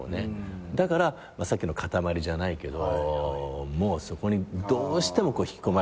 だからさっきの塊じゃないけどそこにどうしても引き込まれていくみたいな。